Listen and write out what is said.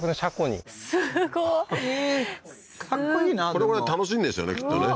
これぐらい楽しいんでしょうね